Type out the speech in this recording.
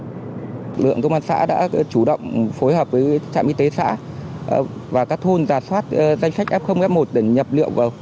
lực lượng công an xã đã chủ động phối hợp với trạm y tế xã và các thôn giả soát danh sách f f một để nhập liệu vào